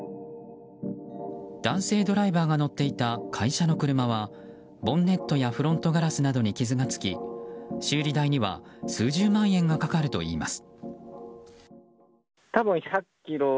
男性ドライバーが乗っていた会社の車はボンネットやフロントガラスなどに傷がつき修理代には数十万円がかかるといいます。